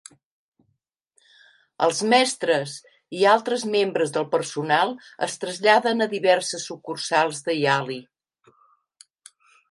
Els mestres i altres membres del personal es traslladen a diverses sucursals de Yali.